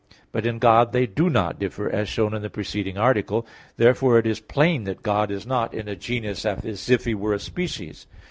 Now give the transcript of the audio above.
But in God they do not differ, as shown in the preceding article. Therefore it is plain that God is not in a genus as if He were a species.